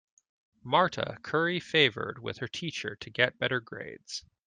Marta curry favored with her teacher to get better grades.